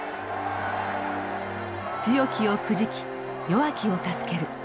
「強きをくじき弱きを助ける」。